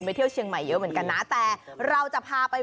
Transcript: เที่ยวเชียงใหม่เยอะเหมือนกันนะแต่เราจะพาไป